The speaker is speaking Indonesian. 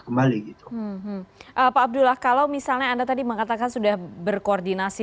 pak abdullah kalau misalnya anda tadi mengatakan sudah berkoordinasi